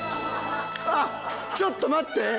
あっちょっと待って！